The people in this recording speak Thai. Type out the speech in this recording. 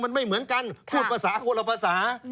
มันไม่เหมือนกันพูดภาษาคนละภาษา